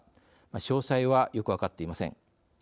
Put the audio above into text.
詳細は、よく分かっていません。